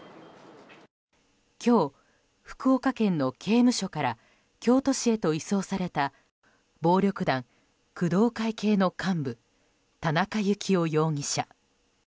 今日、福岡県の刑務所から京都市へと移送された暴力団工藤会系の幹部田中幸雄容疑者。